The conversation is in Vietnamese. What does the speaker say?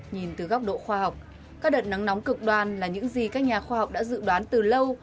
nhìn từ góc độ khoa học các đợt nắng nóng cực đoan là những gì các nhà khoa học đã dự đoán từ lâu